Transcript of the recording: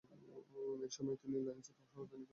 এ সময়ে তিনি লায়ন্সের সহঃ অধিনায়কের দায়িত্বে ছিলেন।